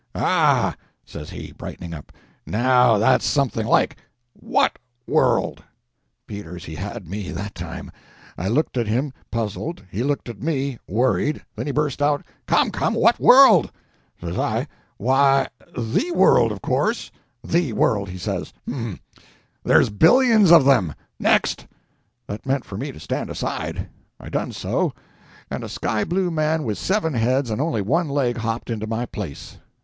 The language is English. "Ah," says he, brightening up, "now that's something like! What world?" Peters, he had me, that time. I looked at him, puzzled, he looked at me, worried. Then he burst out— "Come, come, what world?" Says I, "Why, the world, of course." "The world!" he says. "H'm! there's billions of them! ... Next!" That meant for me to stand aside. I done so, and a sky blue man with seven heads and only one leg hopped into my place.